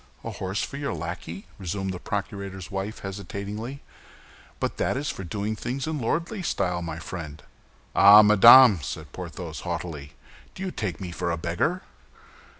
"A horse for your lackey?" resumed the procurator's wife, hesitatingly; "but that is doing things in lordly style, my friend." "Ah, madame!" said Porthos, haughtily; "do you take me for a beggar?"